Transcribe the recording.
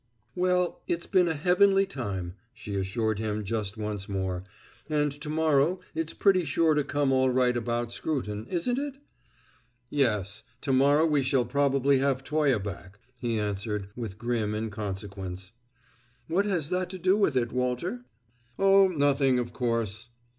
"Well, it's been a heavenly time," she assured him just once more. "And to morrow it's pretty sure to come all right about Scruton, isn't it?" "Yes! To morrow we shall probably have Toye back," he answered with grim inconsequence. "What has that to do with it, Walter?" "Oh, nothing, of course."